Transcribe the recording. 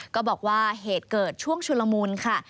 ก็บอกว่าเหตุเกิดช่วงชุลมูลค่ะ